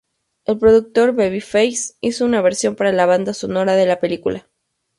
El productor Babyface hizo una versión para la banda sonora de la película.